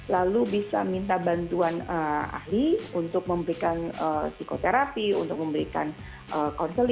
lalu bisa minta bantuan ahli untuk memberikan psikoterapi untuk memberikan counselling dari medis juga kadang dibutuhkan